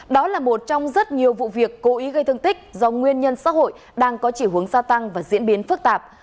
đó là một trong rất nhiều vụ việc cố ý gây thương tích do nguyên nhân xã hội đang có chiều hướng gia tăng và diễn biến phức tạp